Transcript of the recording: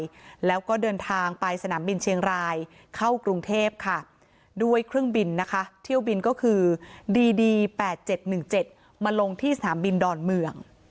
แล้วก็เดินทางไปสนามบินเชียงรายเข้ากรุงเทพค่ะด้วยเครื่องบินนะคะเที่ยวบินก็คือดีดี๘๗๑๗มาลงที่สนามบินดอนเมือง